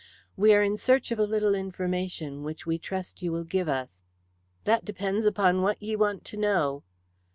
"We are in search of a little information, which we trust you will give us." "That depends upon what ye want to know."